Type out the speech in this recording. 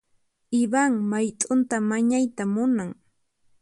Ivan mayt'unta mañayta munan.